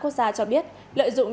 quốc gia cho biết lợi dụng